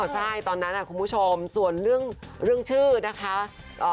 อ๋ออ๋อใช่ตอนนั้นน่ะคุณผู้ชมส่วนเรื่องเรื่องชื่อนะคะเอ่อ